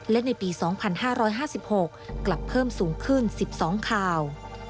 และในปี๒๕๕๖กลับเพิ่มสูงขึ้น๑๒ข่าว